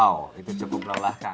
wow itu cukup berolah kan